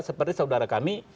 seperti saudara kami